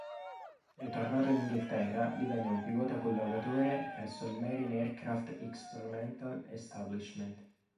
Ritornato in Inghilterra divenne un pilota collaudatore presso il Marine Aircraft Experimental Establishment.